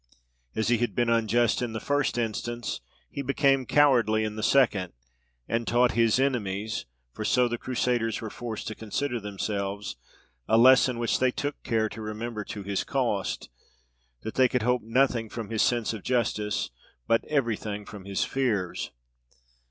As he had been unjust in the first instance, he became cowardly in the second, and taught his enemies (for so the Crusaders were forced to consider themselves) a lesson which they took care to remember to his cost, that they could hope nothing from his sense of justice, but every thing from his fears.